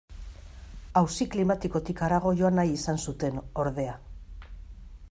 Auzi klimatikotik harago joan nahi izan zuten, ordea.